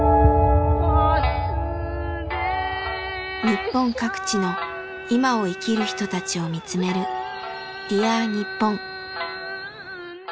日本各地の「いま」を生きる人たちを見つめる「Ｄｅａｒにっぽん」。